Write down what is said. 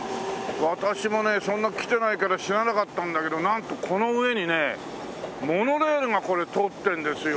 私もねそんな来てないから知らなかったんだけどなんとこの上にねモノレールがこれ通ってるんですよ。